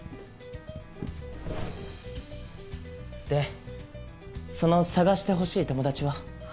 でその捜してほしい友達は？